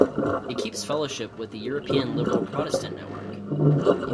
It keeps fellowship with the European Liberal Protestant Network.